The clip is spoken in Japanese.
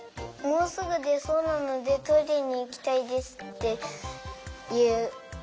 もうすぐでそうなのでトイレにいきたいですっていう。